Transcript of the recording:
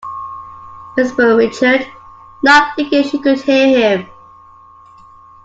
whispered Richard, not thinking she could hear him.